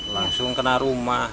langsung kena rumah